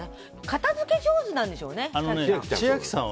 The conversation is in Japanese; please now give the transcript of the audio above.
片づけ上手なんでしょうね千秋さん。